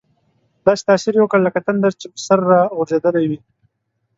داسې تاثیر یې وکړ لکه تندر چې په سر را غورځېدلی وي.